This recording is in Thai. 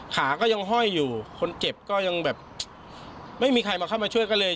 ขาก็ยังห้อยอยู่คนเจ็บก็ยังแบบไม่มีใครมาเข้ามาช่วยก็เลย